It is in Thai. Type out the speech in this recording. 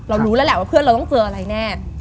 รู้แล้วแหละว่าเพื่อนเราต้องเจออะไรแน่